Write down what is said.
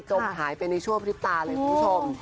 จมหายไปในชั่วพริบตาเลยคุณผู้ชม